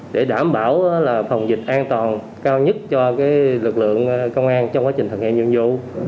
để đảm bảo phòng dịch an toàn cao nhất cho lực lượng công an trong quá trình thực hiện nhiệm vụ